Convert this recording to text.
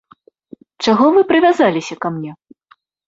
Чаго вы прывязаліся ка мне?